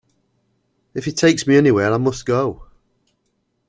If he takes me anywhere, I must go.